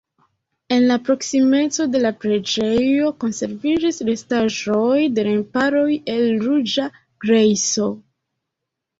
En la proksimeco de la preĝejo konserviĝis restaĵoj de remparoj el ruĝa grejso.